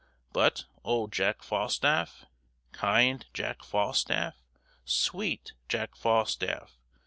But, old Jack Falstaff! kind Jack Falstaff! sweet Jack Falstaff!